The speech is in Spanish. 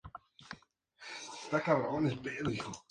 Melisenda fue su segunda esposa.